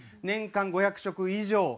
年間５００食以上。